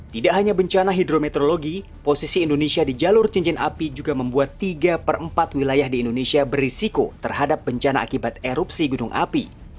tidak hanya bencana hidrometeorologi posisi indonesia di jalur cincin api juga membuat tiga per empat wilayah di indonesia berisiko terhadap bencana akibat erupsi gunung api